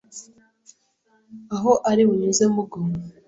aho ari binyuze mug